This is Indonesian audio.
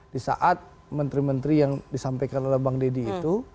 di saat menteri menteri yang disampaikan oleh bang deddy itu